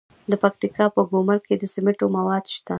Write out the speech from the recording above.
د پکتیکا په ګومل کې د سمنټو مواد شته.